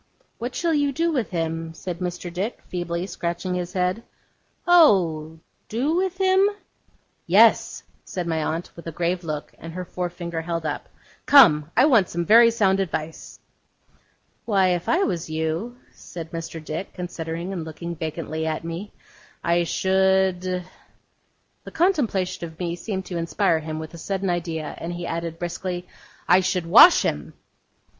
'What shall you do with him?' said Mr. Dick, feebly, scratching his head. 'Oh! do with him?' 'Yes,' said my aunt, with a grave look, and her forefinger held up. 'Come! I want some very sound advice.' 'Why, if I was you,' said Mr. Dick, considering, and looking vacantly at me, 'I should ' The contemplation of me seemed to inspire him with a sudden idea, and he added, briskly, 'I should wash him!